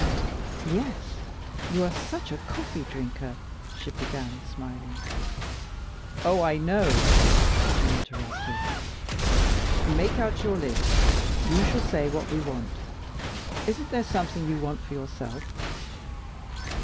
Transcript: "Yes, you are such a coffee drinker " she began, smiling. "Oh, I know!" he interrupted. "Make out your list. You shall say what we want. Isn't there something you want for yourself?"